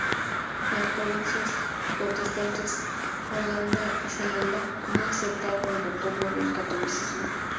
Las provincias protestantes, Holanda y Zelanda, no aceptaron el retorno del catolicismo.